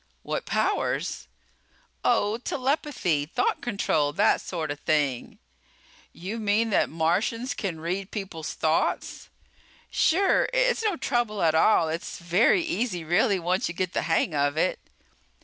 "What powers?" "Oh, telepathy, thought control that sort of thing." "You mean that Martians can read people's thoughts?" "Sure! It's no trouble at all. It's very easy really, once you get the hang of it."